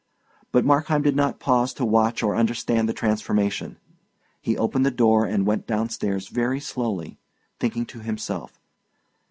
But Markheim did not pause to watch or understand the transformation. He opened the door and went downstairs very slowly, thinking to himself.